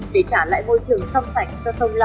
để trả lại môi trường trong sảnh cho sông lâm